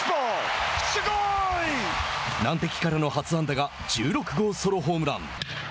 難敵からの初安打が１６号ソロホームラン。